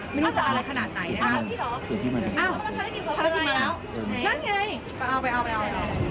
ไม่รู้จะเอาอะไรขนาดไหนนะครับอ้าวภารกิจมาแล้วนั่นไงไปเอา